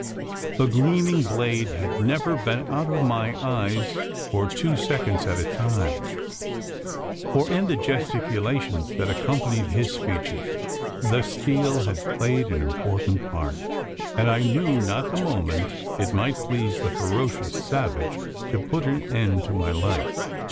The gleaming blade had never been out of my eyes for two seconds at a time; for in the gesticulations that accompanied his speeches, the steel had played an important part, and I knew not the moment, it might please the ferocious savage to put an end to my life.